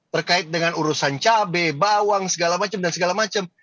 terkait dengan urusan cabai bawang segala macam dan segala macam